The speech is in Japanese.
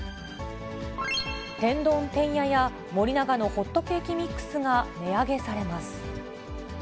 天丼てんやや、森永のホットケーキミックスが値上げされます。